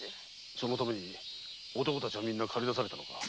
そのために男たちはみんなかり出されたのか？